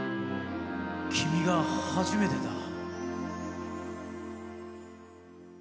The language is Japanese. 君が初めてだ。